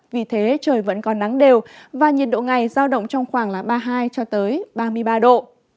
vì thế trời vẫn còn nắng đều và nhiệt độ ngày giao động trong khoảng ba mươi hai ba mươi ba độ